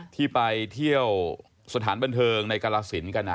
ที่ไปเที่ยวสถานบันเทิงในกรสินกัน